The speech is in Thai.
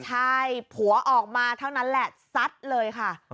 ใช่ผัวออกมาเท่านั้นแหละซัดเลยค่ะ